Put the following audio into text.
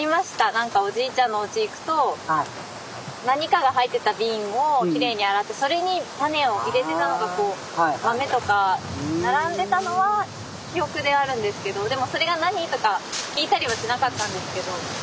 何かおじいちゃんのおうち行くと何かが入ってた瓶をきれいに洗ってそれにタネを入れてたのがこう豆とか並んでたのは記憶であるんですけどでもそれが何とか聞いたりはしなかったんですけど。